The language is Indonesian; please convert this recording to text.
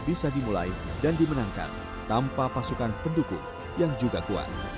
bisa dimulai dan dimenangkan tanpa pasukan pendukung yang juga kuat